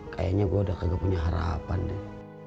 kayaknya gue udah kagak punya harapan deh